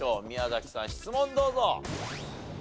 宮崎さん質問どうぞ。